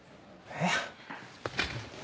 えっ。